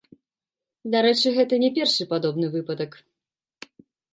Дарэчы, гэта не першы падобны выпадак.